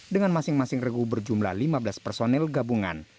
dengan masing masing regu berjumlah lima belas personil gabungan